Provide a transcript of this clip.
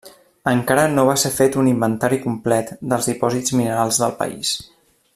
Encara no va ser fet un inventari complet dels dipòsits minerals del país.